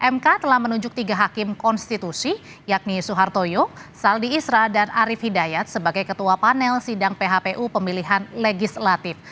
mk telah menunjuk tiga hakim konstitusi yakni suhartoyo saldi isra dan arief hidayat sebagai ketua panel sidang phpu pemilihan legislatif